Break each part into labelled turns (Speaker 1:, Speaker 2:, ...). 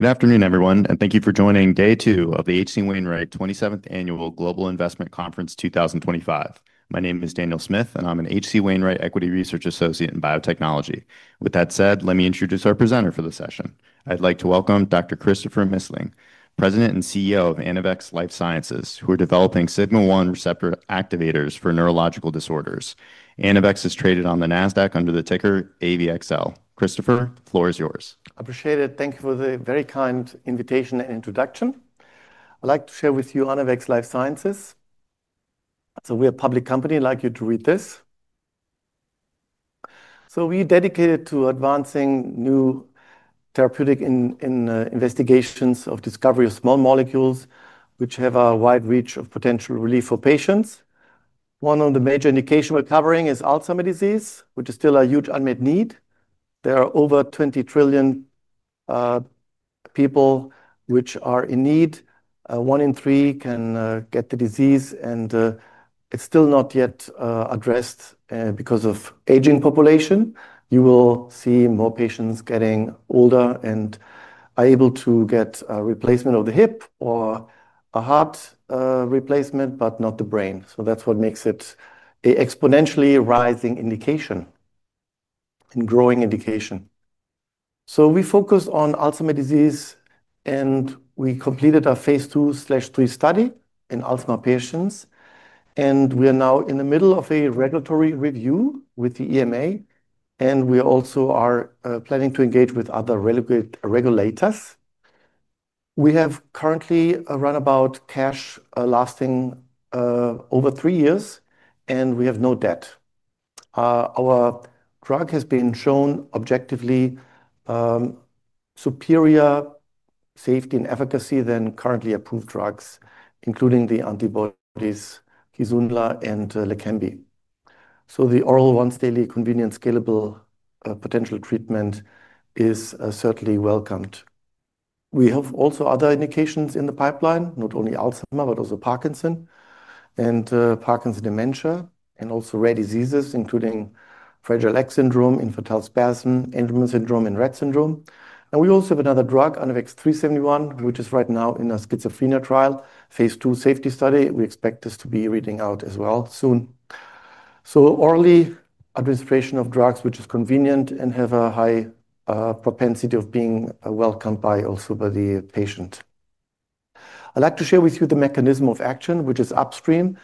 Speaker 1: Good afternoon, everyone, and thank you for joining Day 2 of the H.C. Wainwright 27th Annual Global Investment Conference 2025. My name is Daniel Smith, and I'm an H.C. Wainwright Equity Research Associate in Biotechnology. With that said, let me introduce our presenter for the session. I'd like to welcome Dr. Christopher U. Missling, President and CEO of Anavex Life Sciences Corp., who are developing sigma-1 receptor activators for neurological disorders. Anavex Life Sciences Corp. is traded on the NASDAQ under the ticker AVXL. Christopher, the floor is yours.
Speaker 2: Appreciate it. Thank you for the very kind invitation and introduction. I'd like to share with you Anavex Life Sciences. We are a public company. I'd like you to read this. We are dedicated to advancing new therapeutic investigations of the discovery of small molecules, which have a wide reach of potential relief for patients. One of the major indications we're covering is Alzheimer's disease, which is still a huge unmet need. There are over 20 trillion people who are in need. One in three can get the disease, and it's still not yet addressed because of the aging population. You will see more patients getting older and are able to get a replacement of the hip or a heart replacement, but not the brain. That's what makes it an exponentially rising indication, a growing indication. We focus on Alzheimer's disease, and we completed our Phase 2/3 study in Alzheimer's patients. We are now in the middle of a regulatory review with the European Medicines Agency (EMA), and we also are planning to engage with other regulators. We have currently a runabout cash lasting over three years, and we have no debt. Our drug has been shown objectively superior safety and efficacy than currently approved drugs, including the antibodies Kisunla and Leqembi. The oral once-daily convenient scalable potential treatment is certainly welcomed. We have also other indications in the pipeline, not only Alzheimer's, but also Parkinson's and Parkinson's dementia, and also rare diseases, including Fragile X syndrome, infantile spasm, Angelman syndrome, and Rett syndrome. We also have another drug, ANAVEX®3-71, which is right now in a schizophrenia trial, a Phase 2 safety study. We expect this to be reading out as well soon. Orally administration of drugs, which is convenient and has a high propensity of being welcomed by also by the patient. I'd like to share with you the mechanism of action, which is upstream.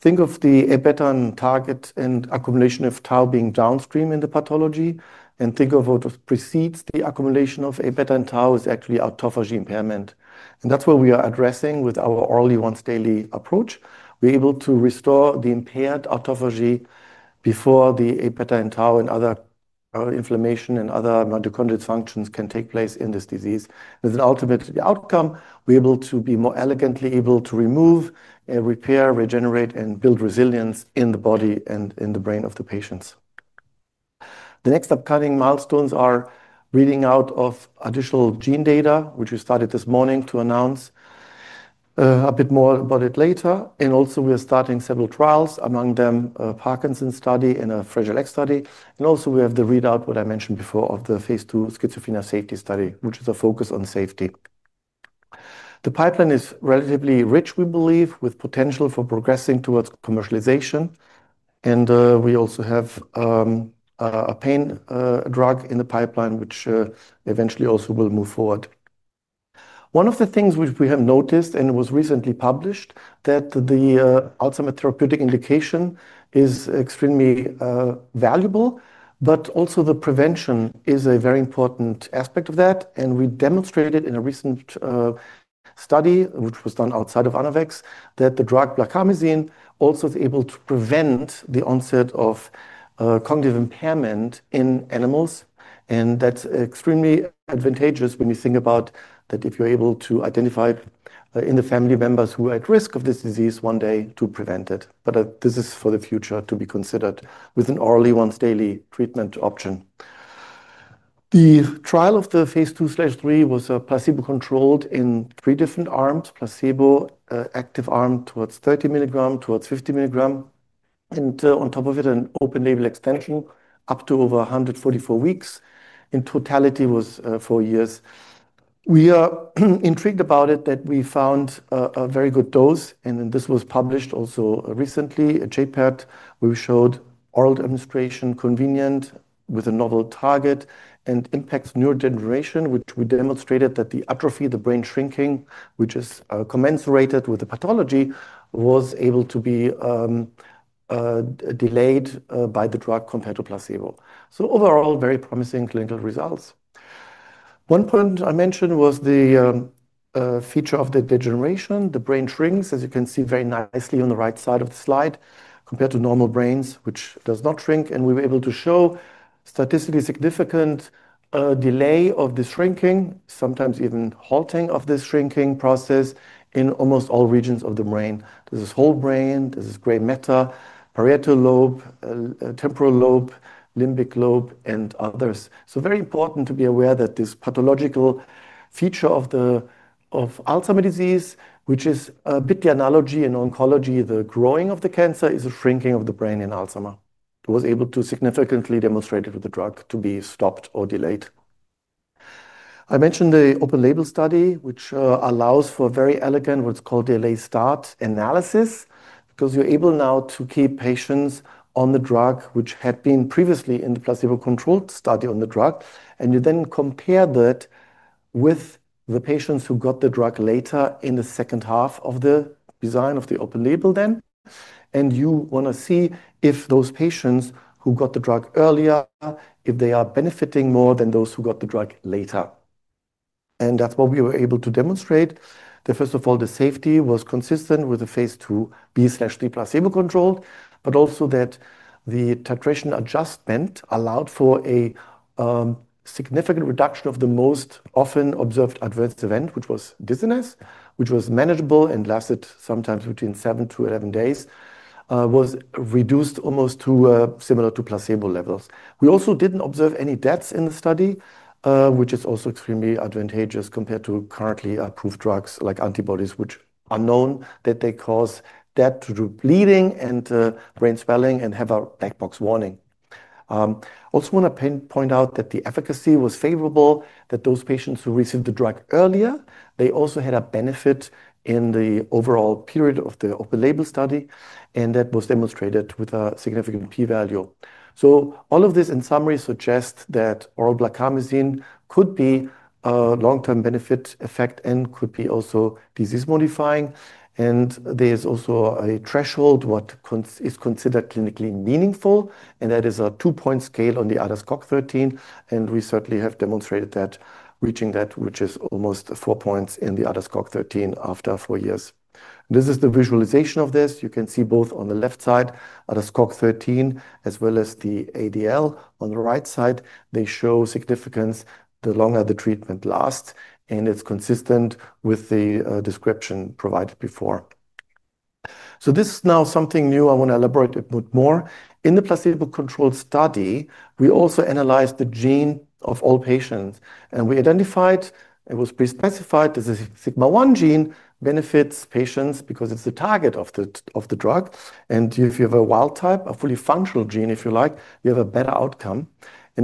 Speaker 2: Think of the a-beta and target and accumulation of tau being downstream in the pathology, and think of what precedes the accumulation of a-beta and tau is actually autophagy impairment. That's what we are addressing with our orally once-daily approach. We're able to restore the impaired autophagy before the a-beta and tau and other inflammation and other mitochondrial dysfunctions can take place in this disease. As an ultimate outcome, we're able to be more elegantly able to remove, repair, regenerate, and build resilience in the body and in the brain of the patients. The next upcoming milestones are reading out of additional gene data, which we started this morning to announce a bit more about it later. We are starting several trials, among them a Parkinson’s study and a Fragile X study. We have the readout, what I mentioned before, of the Phase 2 schizophrenia safety study, which is a focus on safety. The pipeline is relatively rich, we believe, with potential for progressing towards commercialization. We also have a pain drug in the pipeline, which eventually also will move forward. One of the things which we have noticed, and it was recently published, is that the Alzheimer’s therapeutic indication is extremely valuable, but also the prevention is a very important aspect of that. We demonstrated it in a recent study, which was done outside of Anavex Life Sciences Corp., that the drug blarcamesine also is able to prevent the onset of cognitive impairment in animals. That’s extremely advantageous when you think about that if you’re able to identify in the family members who are at risk of this disease one day to prevent it. This is for the future to be considered with an orally once-daily treatment option. The trial of the Phase 2/3 was placebo-controlled in three different arms: placebo, active arm towards 30 milligrams, towards 50 milligrams, and on top of it, an open-label extension up to over 144 weeks. In totality, it was four years. We are intrigued about it, that we found a very good dose, and this was published also recently at JPET, where we showed oral administration, convenient, with a novel target, and impacts neurodegeneration, which we demonstrated that the atrophy, the brain shrinking, which is commensurated with the pathology, was able to be delayed by the drug compared to placebo. Overall, very promising clinical results. One point I mentioned was the feature of the degeneration. The brain shrinks, as you can see very nicely on the right side of the slide, compared to normal brains, which do not shrink. We were able to show statistically significant delay of the shrinking, sometimes even halting of the shrinking process in almost all regions of the brain. This is whole brain. This is gray matter, parietal lobe, temporal lobe, limbic lobe, and others. It is very important to be aware that this pathological feature of Alzheimer’s disease, which is a bit the analogy in oncology, the growing of the cancer is a shrinking of the brain in Alzheimer’s. It was able to significantly demonstrate it with the drug to be stopped or delayed. I mentioned the open-label study, which allows for a very elegant, what's called delayed start analysis, because you're able now to keep patients on the drug which had been previously in the placebo-controlled study on the drug, and you then compare that with the patients who got the drug later in the second half of the design of the open-label then. You want to see if those patients who got the drug earlier, if they are benefiting more than those who got the drug later. That's what we were able to demonstrate. First of all, the safety was consistent with the Phase 2B/3 placebo control, but also that the titration adjustment allowed for a significant reduction of the most often observed adverse event, which was dizziness, which was manageable and lasted sometimes between 7 to 11 days, was reduced almost to similar to placebo levels. We also didn't observe any deaths in the study, which is also extremely advantageous compared to currently approved drugs like antibodies, which are known that they cause death due to bleeding and brain swelling and have a black box warning. I also want to point out that the efficacy was favorable, that those patients who received the drug earlier, they also had a benefit in the overall period of the open-label study, and that was demonstrated with a significant P-value. All of this, in summary, suggests that oral blarcamesine could be a long-term benefit effect and could be also disease-modifying. There's also a threshold what is considered clinically meaningful, and that is a 2-point scale on the ADAS-Cog 13. We certainly have demonstrated that reaching that, which is almost 4 points in the ADAS-Cog 13 after four years. This is the visualization of this. You can see both on the left side, ADAS-Cog 13, as well as the ADL. On the right side, they show significance the longer the treatment lasts, and it's consistent with the description provided before. This is now something new. I want to elaborate a bit more. In the placebo-controlled study, we also analyzed the gene of all patients, and we identified, it was pre-specified, that the sigma-1 gene benefits patients because it's the target of the drug. If you have a wild type, a fully functional gene, if you like, you have a better outcome.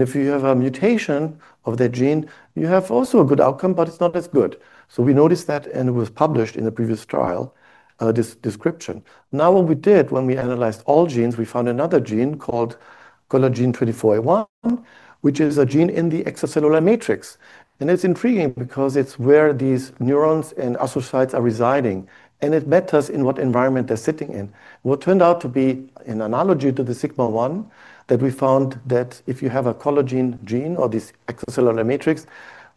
Speaker 2: If you have a mutation of that gene, you have also a good outcome, but it's not as good. We noticed that, and it was published in a previous trial, this description. What we did when we analyzed all genes, we found another gene called COL24A1, which is a gene in the extracellular matrix. It's intriguing because it's where these neurons and astrocytes are residing, and it matters in what environment they're sitting in. What turned out to be an analogy to the sigma-1, we found that if you have a COL24A1 gene or this extracellular matrix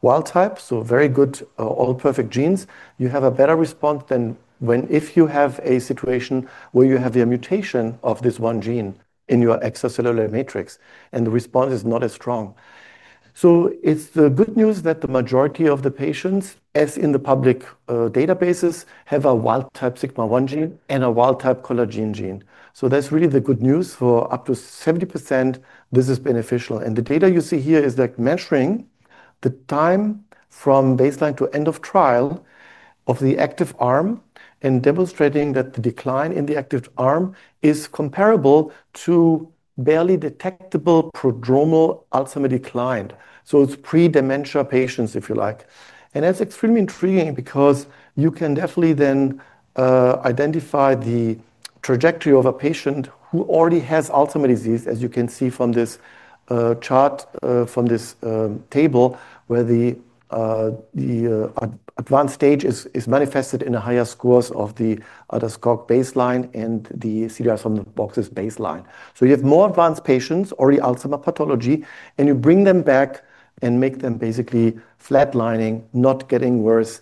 Speaker 2: wild type, so, very good, all perfect genes, you have a better response than if you have a situation where you have a mutation of this one gene in your extracellular matrix, and the response is not as strong. The good news is that the majority of the patients, as in the public databases, have a wild type sigma-1 gene and a wild type COL24A1 gene. That's really the good news. For up to 70%, this is beneficial. The data you see here is that measuring the time from baseline to end of trial of the active arm and demonstrating that the decline in the active arm is comparable to barely detectable prodromal Alzheimer's decline. It's pre-dementia patients, if you like. That's extremely intriguing because you can definitely then identify the trajectory of a patient who already has Alzheimer's disease, as you can see from this chart, from this table, where the advanced stage is manifested in the higher scores of the ADAS-Cog baseline and the CDR-SB baseline. You have more advanced patients, already Alzheimer's pathology, and you bring them back and make them basically flatlining, not getting worse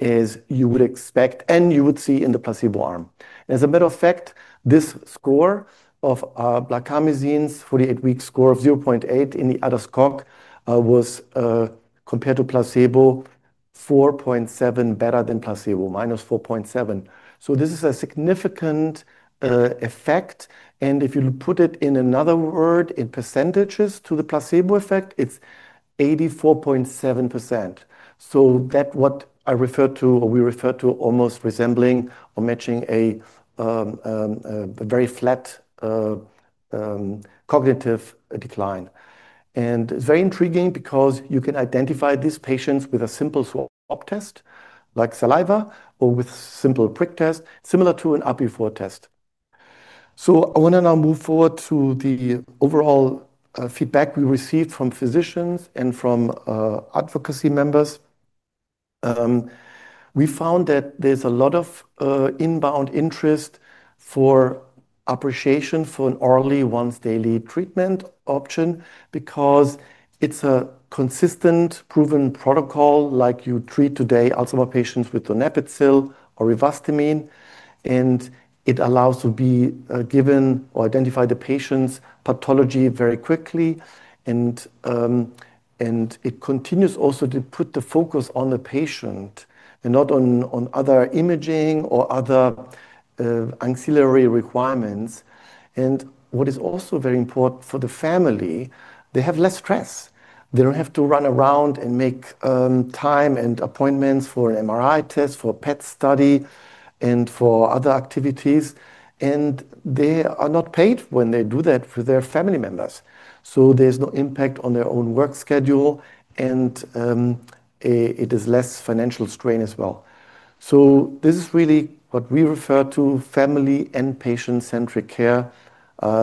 Speaker 2: as you would expect and you would see in the placebo arm. As a matter of fact, this score of blarcamesine's 48-week score of 0.8 in the ADAS-Cog was compared to placebo 4.7 better than placebo, minus 4.7. This is a significant effect. If you put it in another word, in percentages, to the placebo effect, it's 84.7%. That's what I refer to, or we refer to, almost resembling or matching a very flat cognitive decline. It's very intriguing because you can identify these patients with a simple swab test like saliva or with a simple prick test, similar to an AbbVie IV test. I want to now move forward to the overall feedback we received from physicians and from advocacy members. We found that there's a lot of inbound interest for appreciation for an orally once-daily treatment option because it's a consistent, proven protocol, like you treat today Alzheimer's patients with donepezil or rivastigmine, and it allows to be given or identified the patient's pathology very quickly. It continues also to put the focus on the patient and not on other imaging or other ancillary requirements. What is also very important for the family, they have less stress. They don't have to run around and make time and appointments for an MRI test, for a PET study, and for other activities. They are not paid when they do that for their family members. There's no impact on their own work schedule, and it is less financial strain as well. This is really what we refer to as family and patient-centric care,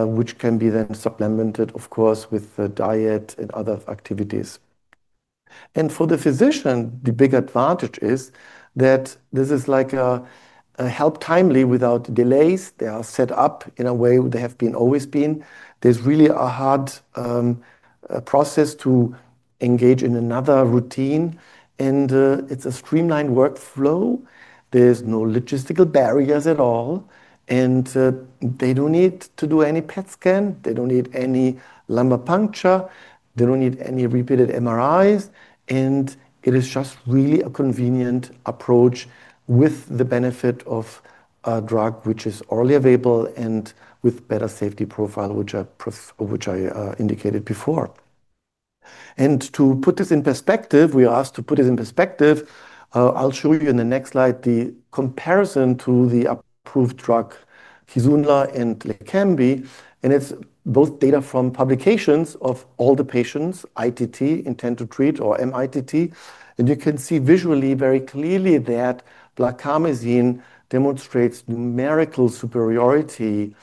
Speaker 2: which can be then supplemented, of course, with diet and other activities. For the physician, the big advantage is that this is like a help timely without delays. They are set up in a way they have always been. There's really a hard process to engage in another routine, and it's a streamlined workflow. There's no logistical barriers at all, and they don't need to do any PET scan. They don't need any lumbar puncture. They don't need any repeated MRIs. It is just really a convenient approach with the benefit of a drug which is orally available and with better safety profile, which I indicated before. To put this in perspective, we are asked to put this in perspective. I'll show you in the next slide the comparison to the approved drug Kisunla and Leqembi. It's both data from publications of all the patients ITT, intent to treat, or mITT, and you can see visually very clearly that blarcamesine demonstrates numerical superiority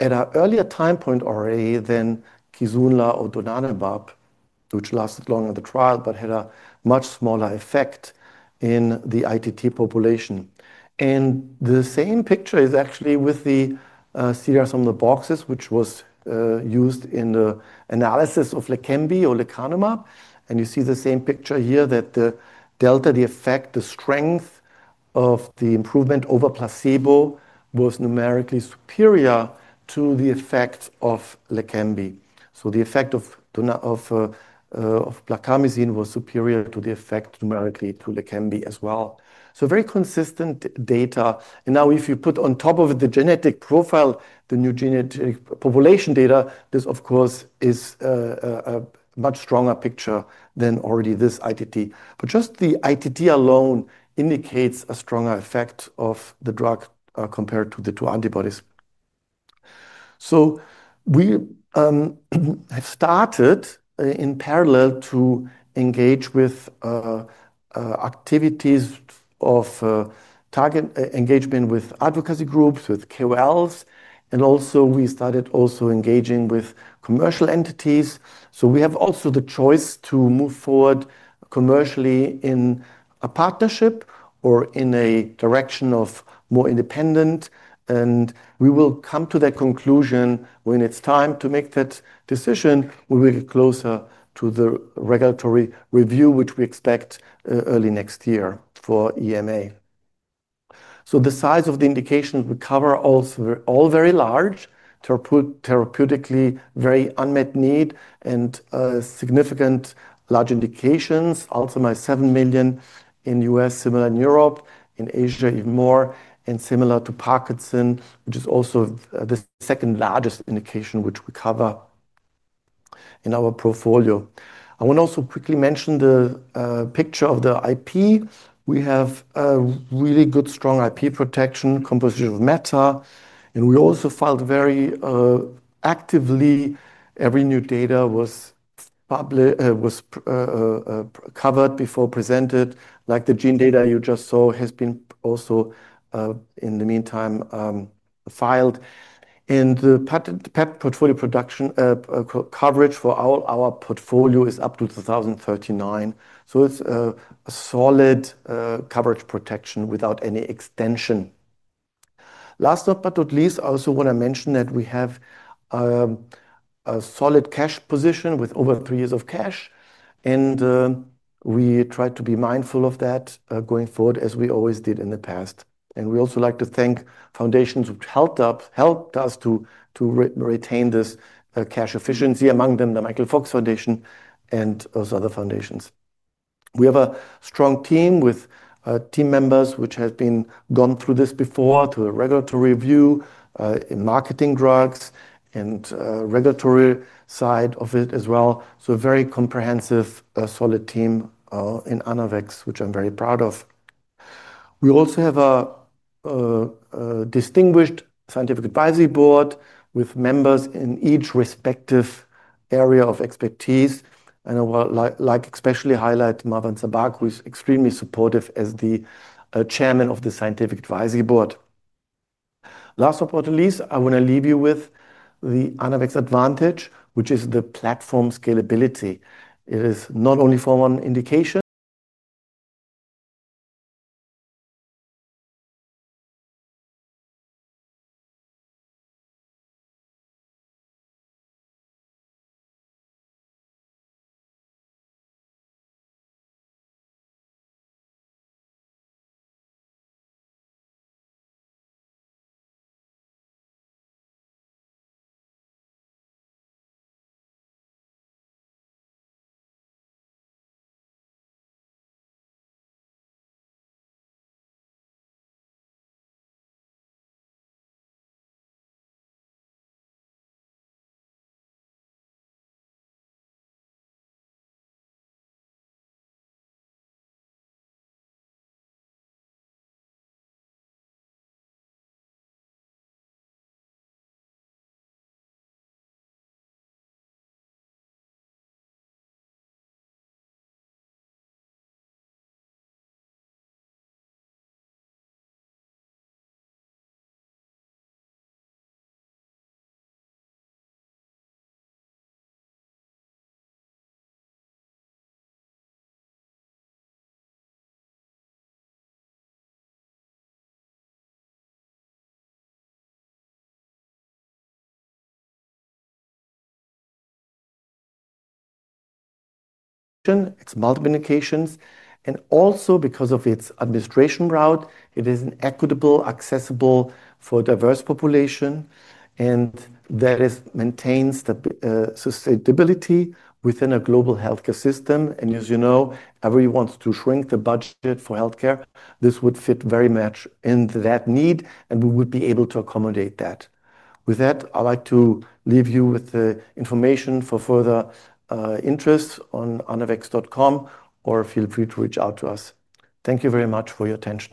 Speaker 2: at an earlier time point already than Kisunla or donanemab, which lasted longer in the trial but had a much smaller effect in the ITT population. The same picture is actually with the CDR-SB boxes which were used in the analysis of Leqembi or lecanemab. You see the same picture here that the delta, the effect, the strength of the improvement over placebo was numerically superior to the effect of Leqembi. The effect of blarcamesine was superior to the effect numerically to Leqembi as well. Very consistent data. Now, if you put on top of it the genetic profile, the new genetic population data, this, of course, is a much stronger picture than already this ITT. Just the ITT alone indicates a stronger effect of the drug compared to the two antibodies. We have started in parallel to engage with activities of target engagement with advocacy groups, with KOLs. We started also engaging with commercial entities. We have the choice to move forward commercially in a partnership or in a direction of more independence. We will come to that conclusion when it's time to make that decision. We will get closer to the regulatory review, which we expect early next year for the European Medicines Agency (EMA). The size of the indications we cover are all very large, therapeutically very unmet need and significant large indications. Alzheimer's is 7 million in the U.S., similar in Europe, in Asia even more, and similar to Parkinson's, which is also the second largest indication which we cover in our portfolio. I want to also quickly mention the picture of the IP. We have a really good, strong IP protection composed of meta. We also filed very actively. Every new data was covered before presented, like the gene data you just saw has been also, in the meantime, filed. The patent portfolio protection coverage for all our portfolio is up to 1,039. It's a solid coverage protection without any extension. Last but not least, I also want to mention that we have a solid cash position with over three years of cash. We try to be mindful of that going forward, as we always did in the past. We also like to thank foundations which helped us to retain this cash efficiency, among them the Michael J. Fox Foundation and those other foundations. We have a strong team with team members which have been gone through this before to a regulatory review in marketing drugs and the regulatory side of it as well. A very comprehensive, solid team in Anavex Life Sciences Corp., which I'm very proud of. We also have a distinguished scientific advisory board with members in each respective area of expertise. I would like to especially highlight Marvin Sabbagh, who is extremely supportive as the Chairman of the Scientific Advisory Board. Last but not least, I want to leave you with the Anavex advantage, which is the platform scalability. It is not only for one indication. It's multiple indications. Also, because of its administration route, it is equitable, accessible for a diverse population. That maintains the sustainability within a global healthcare system. As you know, everyone wants to shrink the budget for healthcare. This would fit very much in that need, and we would be able to accommodate that. With that, I'd like to leave you with the information for further interest on anavex.com, or feel free to reach out to us. Thank you very much for your attention.